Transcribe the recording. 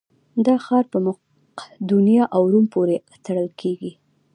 دا ښار په مقدونیه او روم پورې تړل کېږي.